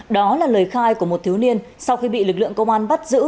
đó là lời khai của một thiếu niên sau khi bị lực lượng công an bắt giữ